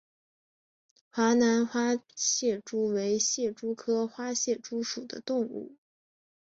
华南花蟹蛛为蟹蛛科花蟹蛛属的动物。